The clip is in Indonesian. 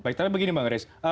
baik tapi begini mbak ngeris